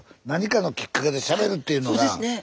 何かのきっかけでしゃべるっていうのが。